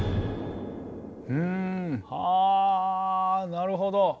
うんはなるほど。